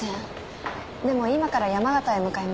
でも今から山形へ向かいます。